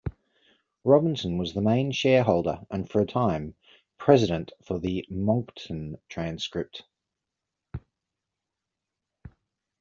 Robinson was the main shareholder and, for a time, president for the "Moncton Transcript".